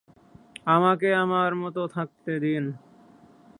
আমাকে আমার মতো থাকতে দিন।